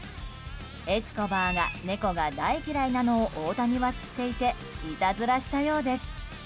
エスコバーが猫が大嫌いなのを大谷は知っていていたずらしたようです。